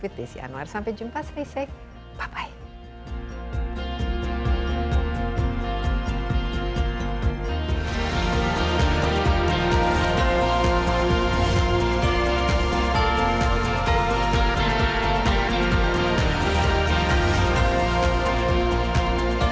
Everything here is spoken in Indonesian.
saya desi anwar sampai jumpa selesai bye bye